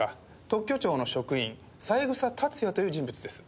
特許庁の職員三枝達也という人物です。